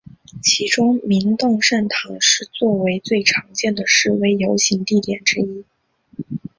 其中明洞圣堂是作为最常见的示威游行地点之一。